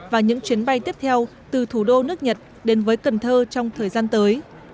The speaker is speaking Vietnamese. và những chuyến bay tiếp theo từ thủ đô nước nhật đến với cần thơ trong thời gian tới